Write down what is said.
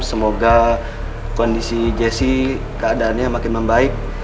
semoga kondisi jessi keadaannya makin membaik